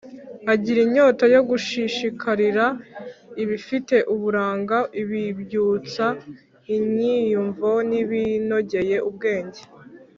agira inyota yo gushishikarira ibifite uburanga, ibibyutsa inyiyumvo n’ibinogeye ubwenge;